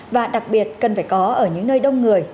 và đặc biệt cần phải có ở những nơi đông người